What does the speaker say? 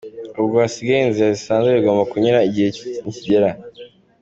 Ubwo hasigaye inzira zisanzwe bigomba kunyuramo igihe nikigera.